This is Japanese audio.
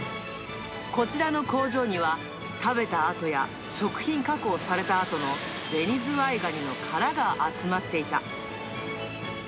こちらの工場には、食べたあとや食品加工されたあとのベニズワイガニの殻が集まっていた。